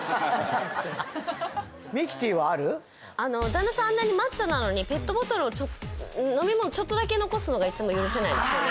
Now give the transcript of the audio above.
多分旦那さんあんなにマッチョなのにペットボトルを飲み物ちょっとだけ残すのがいつも許せないんですよね